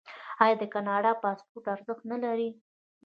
آیا د کاناډا پاسپورت ارزښت نلري؟